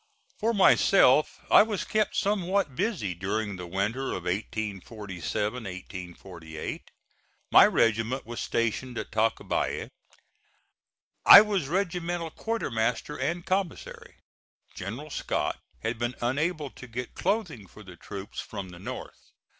For myself, I was kept somewhat busy during the winter of 1847 8. My regiment was stationed in Tacubaya. I was regimental quartermaster and commissary. General Scott had been unable to get clothing for the troops from the North.